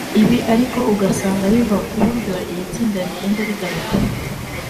Ibi ariko ugasanga biva ku buryo iri tsinda rigenda rigaruka